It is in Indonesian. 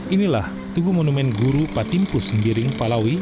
inilah tugu monumen guru patimpu sembiring palawi